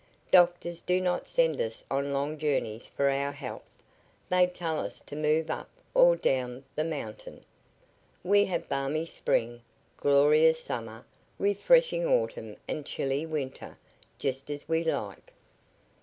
Doctors do not send us on long journeys for our health. They tell us to move up or down the mountain. We have balmy spring, glorious summer, refreshing autumn and chilly winter, just as we like."